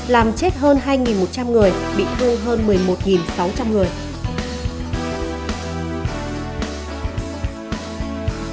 làm chết hơn hai một trăm linh người bị hư hơn một mươi một sáu trăm linh người